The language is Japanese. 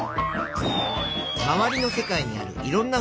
まわりの世界にあるいろんなふしぎ。